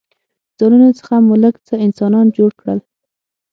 ځانونو څخه مو لږ څه انسانان جوړ کړل.